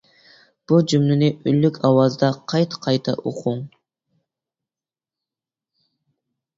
بۇ جۈملىنى ئۈنلۈك ئاۋازدا قايتا-قايتا ئوقۇڭ.